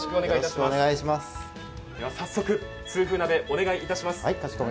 早速、痛風鍋、お願いいたします。